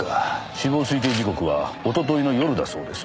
死亡推定時刻は一昨日の夜だそうです。